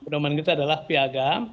perdomaan kita adalah piagam